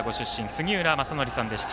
杉浦正則さんでした。